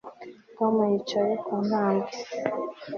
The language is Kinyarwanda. Tom yicaye ku ntambwe